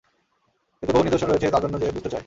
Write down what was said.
এতে বহু নিদর্শন রয়েছে তার জন্য যে বুঝতে চায়।